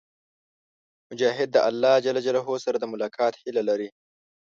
مجاهد د الله سره د ملاقات هيله لري.